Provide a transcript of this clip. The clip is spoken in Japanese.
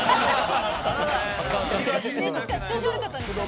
調子悪かったんですかね。